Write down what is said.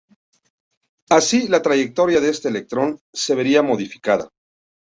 Así, la trayectoria de este electrón se vería modificada.